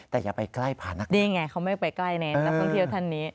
แต่อย่าไปใกล้ผานักนี้